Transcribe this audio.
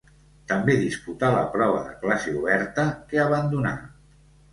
També disputà la prova de classe oberta, que abandonà.